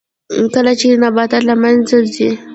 کله چې نباتات له منځه ځي